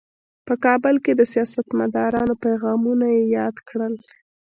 په کابل کې د سیاستمدارانو پیغامونه یې یاد کړل.